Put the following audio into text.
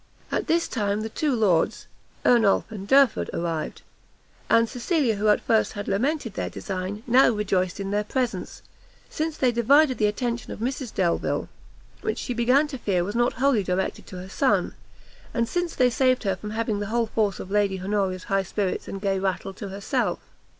At this time the two lords, Ernolf and Derford, arrived; and Cecilia, who at first had lamented their design, now rejoiced in their presence, since they divided the attention of Mrs Delvile, which she began to fear was not wholly directed to her son, and since they saved her from having the whole force of Lady Honoria's high spirits and gay rattle to herself.